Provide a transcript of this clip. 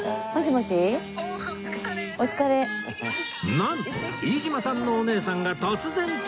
なんと飯島さんのお姉さんが突然登場！